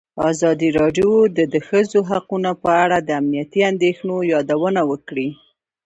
ازادي راډیو د د ښځو حقونه په اړه د امنیتي اندېښنو یادونه کړې.